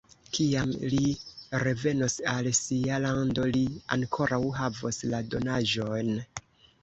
Kiam li revenos al sia lando, li ankoraŭ havos la donaĵon.